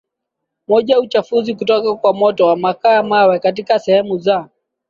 moja Uchafuzi kutoka kwa moto wa makaa ya mawe katika sehemu za